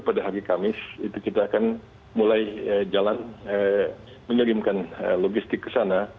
pada hari kamis itu kita akan mulai jalan mengirimkan logistik ke sana